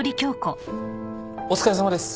お疲れさまです。